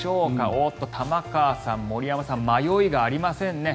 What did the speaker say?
おっと、玉川さん、森山さん迷いがありませんね。